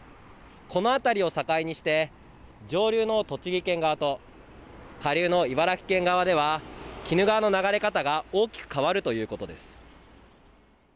この辺りを境にして上流の栃木県側と下流の茨城県側では鬼怒川の流れ方が大きく変わるということです。